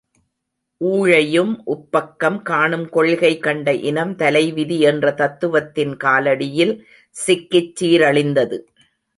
ஊழையும் உப்பக்கம் காணும் கொள்கை கண்ட இனம் தலைவிதி என்ற தத்துவத்தின் காலடியில் சிக்கிச் சீரழிந்தது.